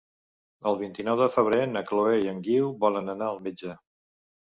El vint-i-nou de febrer na Chloé i en Guiu volen anar al metge.